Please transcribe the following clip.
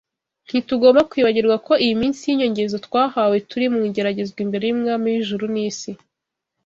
Ntitugomba kwibagirwa ko iyi minsi y’inyongezo twahawe, turi mu igeragezwa imbere y’Umwami w’ijuru n’isi